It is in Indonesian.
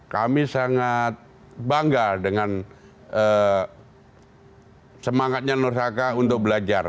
kami sangat bangga dengan semangatnya nur saka untuk belajar